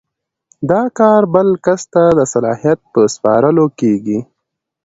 دا کار بل کس ته د صلاحیت په سپارلو کیږي.